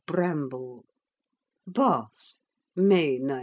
BRAMBLE BATH, May 19.